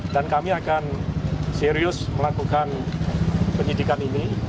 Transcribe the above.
dan kami akan serius melakukan penyidikan ini